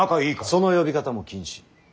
その呼び方も禁止。